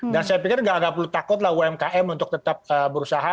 dan saya pikir nggak ada perlu takut lah umkm untuk tetap berusaha